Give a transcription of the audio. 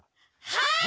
はい！